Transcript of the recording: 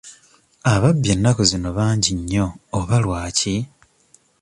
Ababbi ennaku zino bangi nnyo oba lwaki?